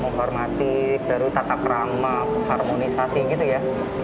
menghormati baru tata kerama harmonisasi gitu ya